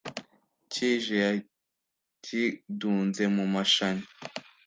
kije yakidunze mu mashanya,